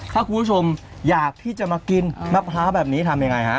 ถ้าคุณผู้ชมอยากที่จะมากินมะพร้าวแบบนี้ทำยังไงฮะ